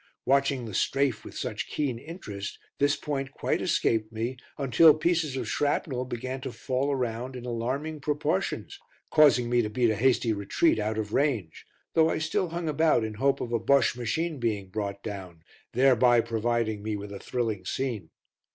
Watching the "strafe" with such keen interest, this point quite escaped me until pieces of shrapnel began to fall around in alarming proportions, causing me to beat a hasty retreat out of range, though I still hung about in the hope of a Bosche machine being brought down, thereby providing me with a thrilling scene.